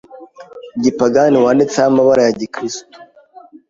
gipagani wanditseho amabara ya gikristo